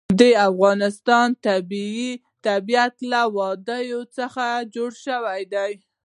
د افغانستان طبیعت له وادي څخه جوړ شوی دی.